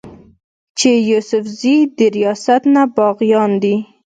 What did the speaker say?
چې يوسفزي د رياست نه باغيان دي